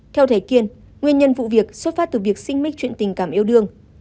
theo thầy kiên nguyên nhân vụ việc xuất phát từ việc sinh mít chuyện tình cảm yêu đương